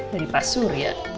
dari pak surya